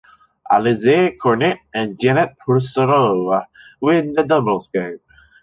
Alizée Cornet and Janette Husárová win the doubles game.